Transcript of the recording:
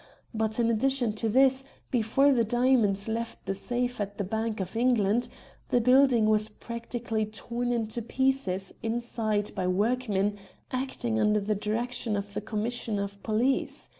But, in addition to this, before the diamonds left the safe at the Bank of England, the building was practically torn to pieces inside by workmen acting under the direction of the Commissioner of Police.